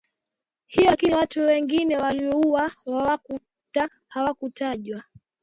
hiyo Lakini watu wengine waliouawa hawakuta hawakutajwa